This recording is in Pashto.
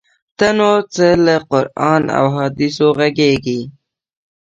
ته نو څه له قران او احادیثو ږغیږې؟!